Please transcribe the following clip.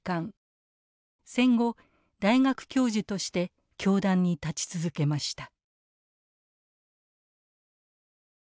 戦後大学教授として教壇に立ち続けました。